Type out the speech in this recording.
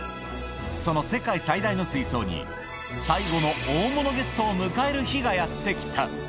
その世界最大の水槽に、最後の大物ゲストを迎える日がやって来た。